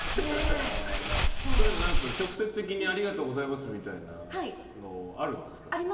そういうの、直接的にありがとうございますみたいなのあります。